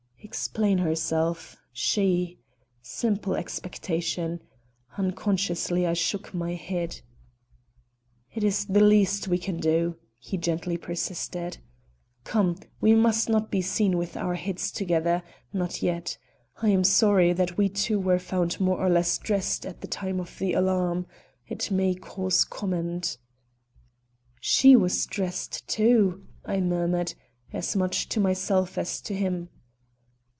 Explain herself, she! Simple expectation. Unconsciously I shook my head. "It is the least we can do," he gently persisted. "Come, we must not be seen with our heads together not yet. I am sorry that we two were found more or less dressed at the time of the alarm. It may cause comment." "She was dressed, too," I murmured, as much to myself as to him.